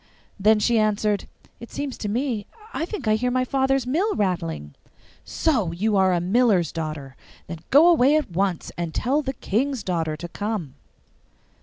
Then she answered, 'It seems so to me; I think I hear my father's mill rattling.' 'So you are a miller's daughter! Then go away at once, and tell the King's daughter to come.